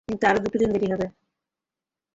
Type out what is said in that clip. কিন্তু আরো দুটো দিন দেরি হবে।